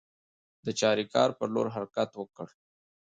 د چاریکار پر لور حرکت وکړ.